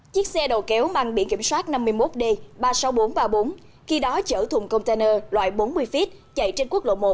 chiếc xe đầu kéo mang biển kiểm soát năm mươi một d ba mươi sáu nghìn bốn trăm ba mươi bốn khi đó chở thùng container loại bốn mươi feet chạy trên quốc lộ một